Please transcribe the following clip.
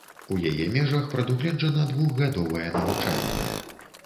У яе межах прадугледжана двухгадовае навучанне.